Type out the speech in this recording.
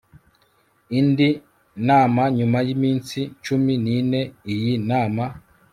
indi nama nyuma y iminsi cumi n ine Iyi nama